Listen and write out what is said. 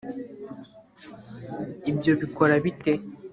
ibyo bikora bite